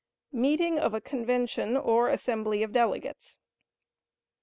Meeting of a Convention or Assembly of Delegates.